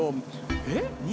えっ？